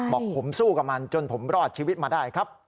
บอกผมสู้กับมันจนผมรอดชีวิตมาได้ครับ